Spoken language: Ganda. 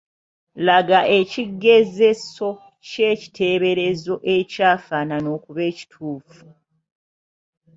Laga ekigezeso ky’ekiteeberezo ekyafaanana okuba ekituufu.